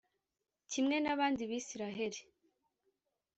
Kimwe n’abandi b’Isiraheli